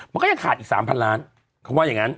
มันก็ยังขาดอีก๓๐๐ล้านเขาว่าอย่างนั้น